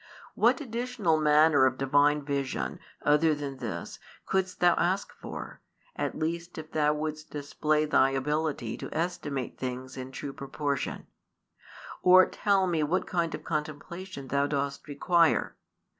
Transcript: What additional manner of Divine vision other than this couldst thou ask for, at least if thou wouldst display thy ability to estimate things in true proportion; or tell Me what kind of contemplation thou dost require?